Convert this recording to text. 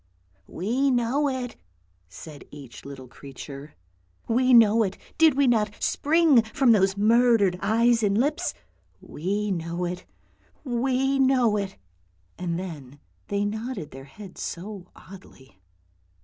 " We know it," said each little creature. " We know it; did we not spring from those murdered eyes and lips? We know it, we know it! " and then they nodded their heads so oddly.